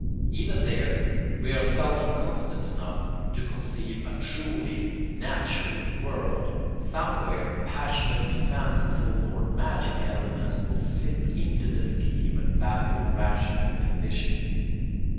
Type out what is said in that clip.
Even there we are seldom constant enough to conceive a truly natural world; somewhere passionate, fanciful, or magic elements will slip into the scheme and baffle rational ambition.